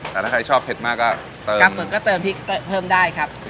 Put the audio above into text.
แต่ถ้าใครชอบเผ็ดมากก็เติมก็เติมพริกเพิ่มได้ครับครับ